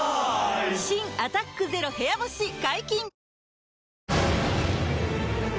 新「アタックＺＥＲＯ部屋干し」解禁‼